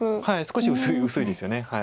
少し薄いですよね。